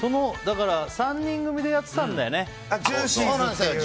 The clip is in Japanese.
３人組でやっていたんだよね。